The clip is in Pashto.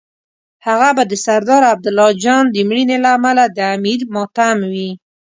هغه به د سردار عبدالله جان د مړینې له امله د امیر ماتم وي.